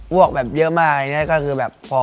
อ้วกแบบเยอะมากก็คือแบบ